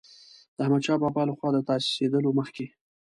د احمدشاه بابا له خوا د تاسیسېدلو مخکې.